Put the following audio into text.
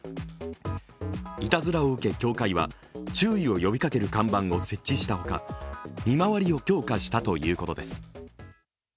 いたずらを受け協会は注意を呼びかける看板を設置したほか、見回りを強化したということです。